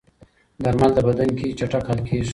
درمل د بدن کې چټک حل کېږي.